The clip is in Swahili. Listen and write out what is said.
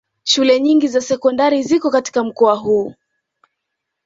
Shule nyingi za sekondari ziko katika mkoa huu